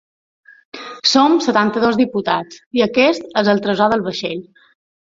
Som setanta-dos diputats, i aquest és el tresor del vaixell.